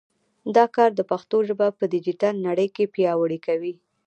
دا کار د پښتو ژبه په ډیجیټل نړۍ کې پیاوړې کوي.